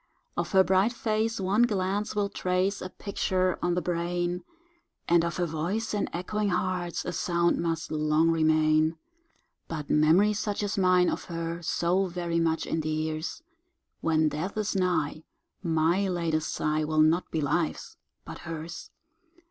Of her bright face one glance will trace A picture on the brain, And of her voice in echoing hearts A sound must long remain; But memory, such as mine of her, So very much endears, When death is nigh my latest sigh Will not be life's, but hers.